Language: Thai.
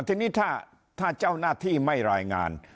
ทีนี้ถ้าเจ้าหน้าที่ไม่รายงาน